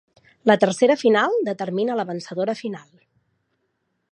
La tercera final determina la vencedora final.